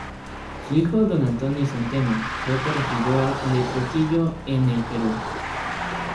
Su hijo don Antonio Centeno fue corregidor de Trujillo, en el Perú.